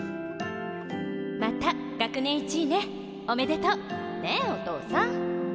また学年１位ねおめでとう！ねえお父さん。